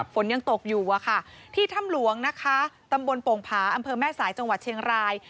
ฝนยังตกอยู่อะค่ะที่ถ้ำหลวงนะคะตำบลโป่งผาอำเภอแม่สายจังหวัดเชียงราย